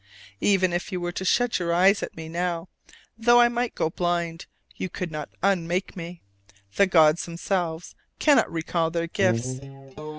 Even if you were to shut your eyes at me now though I might go blind, you could not unmake me: "The gods themselves cannot recall their gifts."